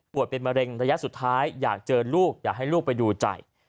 เป็นมะเร็งระยะสุดท้ายอยากเจอลูกอยากให้ลูกไปดูใจ